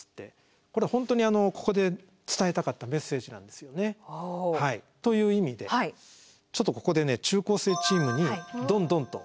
これ本当にここで伝えたかったメッセージなんですよね。という意味でちょっとここでね中高生チームにドンドンと。